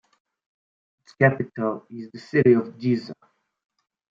Its capital is the city of Giza.